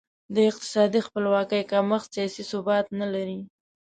د اقتصادي خپلواکي کمښت سیاسي ثبات نه لري.